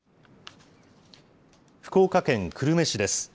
福岡県久留米市です。